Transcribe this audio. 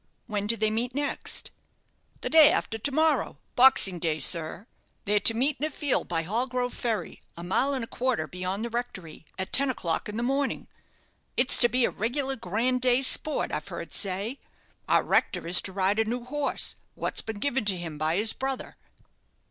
"When do they meet next?" "The day arter to morrow Boxing day, sir. They're to meet in the field by Hallgrove Ferry, a mile and a quarter beyond the rectory, at ten o'clock in the morning. It's to be a reg'lar grand day's sport, I've heard say. Our rector is to ride a new horse, wot's been given to him by his brother."